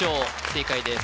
正解です